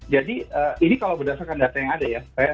jadi ini kalau berdasarkan data yang ada ya